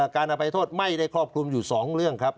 การอภัยโทษไม่ได้ครอบคลุมอยู่๒เรื่องครับ